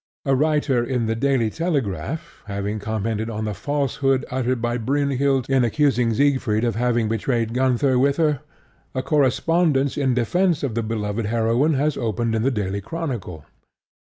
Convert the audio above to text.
A writer in The Daily Telegraph having commented on the falsehood uttered by Brynhild in accusing Siegfried of having betrayed Gunther with her, a correspondence in defence of the beloved heroine was opened in The Daily Chronicle.